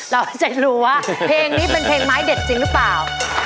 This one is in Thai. เราจะรู้ว่าเพลงนี้เป็นเพลงไม้เด็ดจริงหรือเปล่า